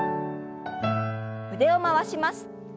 腕を回します。